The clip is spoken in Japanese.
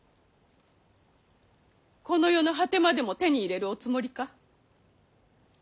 この世の果てまでも手に入れるおつもりか？